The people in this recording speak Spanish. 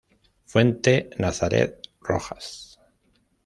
Fuente: Nazareth Rojas.